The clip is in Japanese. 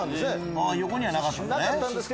横にはなかったんだね。